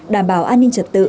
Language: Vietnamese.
đảm bảo an ninh trật tự